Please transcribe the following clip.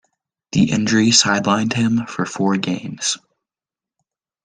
The injury sidelined him for four games.